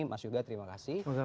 mas yuga terima kasih